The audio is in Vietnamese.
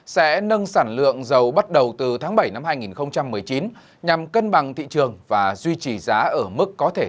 sẽ nâng sản lượng dầu bắt đầu từ tháng bảy năm hai nghìn một mươi chín nhằm cân bằng thị trường và duy trì giá ở mức có thể